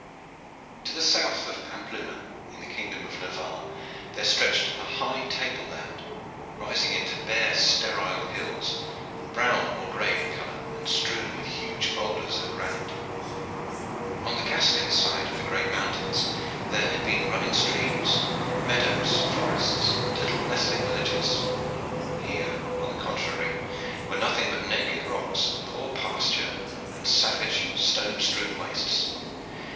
To the south of Pampeluna in the kingdom of Navarre there stretched a high table land, rising into bare, sterile hills, brown or gray in color, and strewn with huge boulders of granite. On the Gascon side of the great mountains there had been running streams, meadows, forests, and little nestling villages. Here, on the contrary, were nothing but naked rocks, poor pasture, and savage, stone strewn wastes.